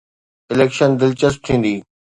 Election دلچسپ ٿيندي.